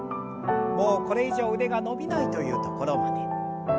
もうこれ以上腕が伸びないというところまで。